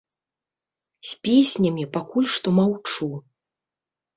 З песнямі пакуль што маўчу.